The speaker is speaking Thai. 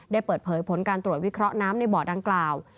ได้เปิดเผยผลการตรวจวิเคราะห์น้ำในบ่อดังกล่าว